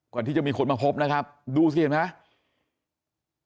ก่อนที่จะมีคนมาพบนะครับดูสิเห็นไหม